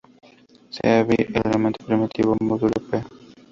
Sea "b" un elemento primitivo modulo "p".